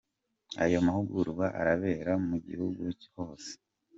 Ayo mahugurwa arabera mu gihugu hose.